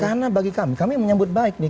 karena bagi kami kami menyambut baik nih